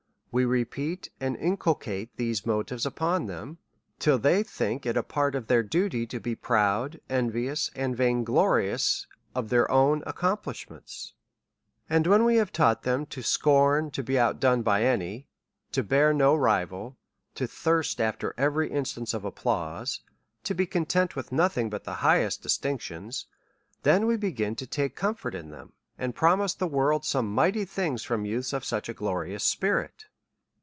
We repeat and inculcate these motives upon them, till they think it a part of their dut^ to be proud, envi ous, and vain glorious of their own accomplishments. And when we have taught them to scorn to be out done by any, to bear no rival, to thirst after every in stance of applause, to be content with nothing but the highest distinctions ; then we begin to take comfort in them, and promise the world some mighty things fi'om youths of such a glorious spirit.